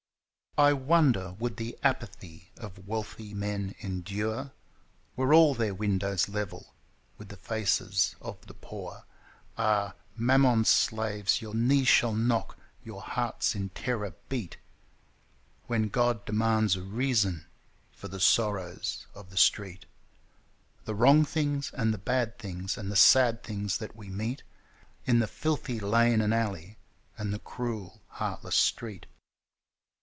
I wonder would the apathy of wealthy men endure Were all their windows level with the faces of the Poor? Ah ! Mammon's slaves, your knees shall knock, your hearts in terror beat. When God demands a reason for the sorrows of the street. The wrong things and the bad things And the sad things that we meet In the filthy lane and alley, and the cruel, heartless street.